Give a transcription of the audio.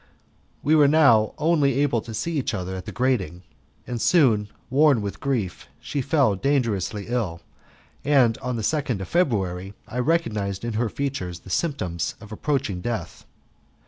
We were now only able to see each other at the grating; and soon, worn with grief, she fell dangerously ill, and on the 2nd of February I recognized in her features the symptoms of approaching death.